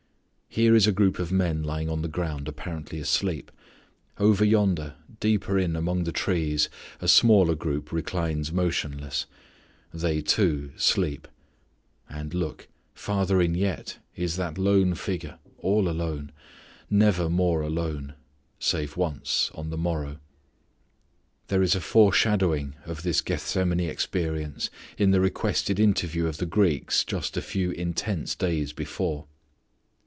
Here is a group of men lying on the ground apparently asleep. Over yonder deeper in among the trees a smaller group reclines motionless. They, too, sleep. And, look, farther in yet is that lone figure; all alone; nevermore alone; save once on the morrow. There is a foreshadowing of this Gethsemane experience in the requested interview of the Greeks just a few intense days before.